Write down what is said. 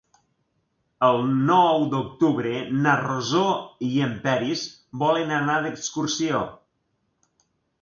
El nou d'octubre na Rosó i en Peris volen anar d'excursió.